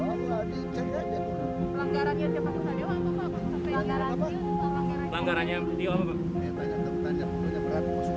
ada yang sayang ada yang pelatih